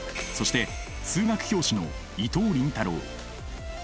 そして数学教師の伊藤倫太郎。